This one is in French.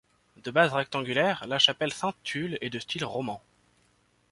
De base rectangulaire, la chapelle Sainte-Tulle est de style roman.